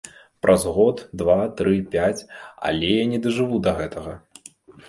Праз год, два, тры, пяць, але я не дажыву да гэтага.